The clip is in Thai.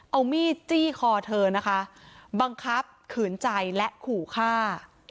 เอามีดจี้คอเธอนะคะบังคับขืนใจและขู่ฆ่า